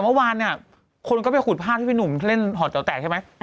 อย่าววานคนก็ไปขุดภาพพี่หนุมเล่นหอเต๋าแตกใช่ไหม